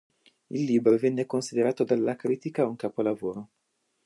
Il libro viene considerato dalla critica un capolavoro.